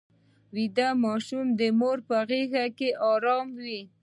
ویده ماشوم د مور په غېږ کې ارام وي